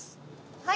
はい？